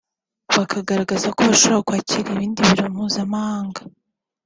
bakagaragaza ko bashobora no kwakira ibindi birori mpuzamahanga